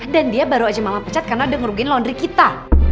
dan dia baru aja mama pecat karena udah ngerugiin laundry kita